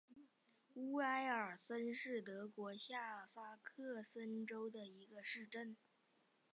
乌埃尔森是德国下萨克森州的一个市镇。